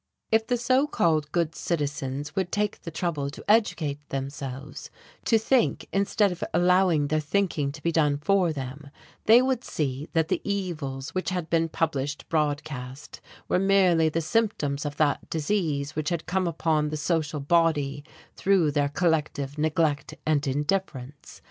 If the so called good citizens would take the trouble to educate themselves, to think instead of allowing their thinking to be done for them they would see that the "evils" which had been published broadcast were merely the symptoms of that disease which had come upon the social body through their collective neglect and indifference.